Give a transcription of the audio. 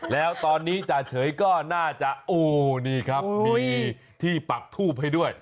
แล้วตอนนี้จ่าเฉยก็น่าจะโอ้นี่ครับมีที่ปักทูบให้ด้วย